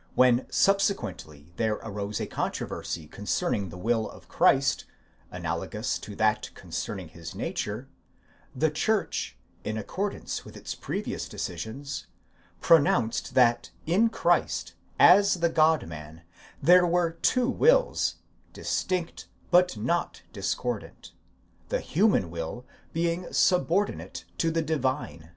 » When subsequently there arose a controversy concerning the will of Christ, analo gous to that concerning his nature, the Church, in accordance with its pre vious decisions, pronounced that in Christ, as the God man, there were two wills, distinct but not discordant, the human will being subordinate to the divine.